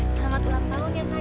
selamat ulang tahun ya saya